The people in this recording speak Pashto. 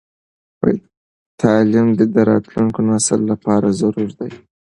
تعليم د راتلونکي نسل لپاره ضروري دی.